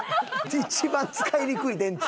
一番使いにくい電池。